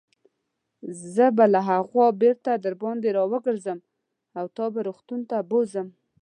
زه به له هاخوا بیرته درباندې راګرځم او تا به روغتون ته بوزم.